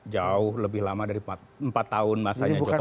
jauh lebih lama dari empat tahun masanya jokowi